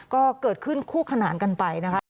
ก็เกิดขึ้นคู่ขนานกันไปนะคะ